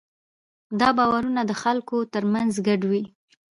دا باورونه د خلکو ترمنځ ګډ وي.